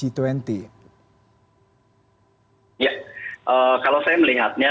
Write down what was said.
ya kalau saya melihatnya